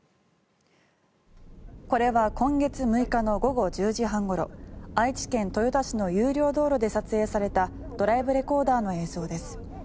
これは今月６日の午後１０時半ごろ愛知県豊田市の有料道路で撮影されたドライブレコーダーの映像です。